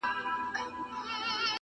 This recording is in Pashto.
چي وطن یې کړ خالي له غلیمانو-